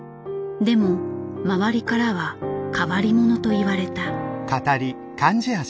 でも周りからは変わり者と言われた。